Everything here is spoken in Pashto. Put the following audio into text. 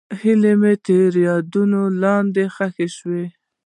هیلې مې د تېر یادونو لاندې ښخې شوې.